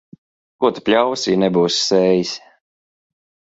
Ko tu pļausi, ja nebūsi sējis.